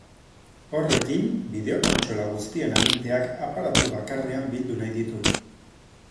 Horrekin bideo-kontsola guztien aginteak aparatu bakarrean bildu nahi ditu.